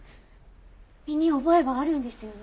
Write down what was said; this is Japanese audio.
身に覚えはあるんですよね？